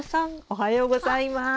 おはようございます。